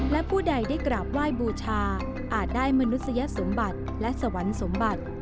และผู้ใดได้กราบไหว้บูชาอาจได้มนุษยสมบัติและสวรรค์สมบัติ